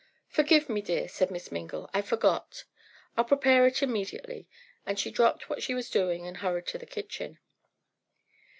"Forgive me, dear," said Miss Mingle, "I forgot. I'll prepare it immediately," and she dropped what she was doing and hurried to the kitchen.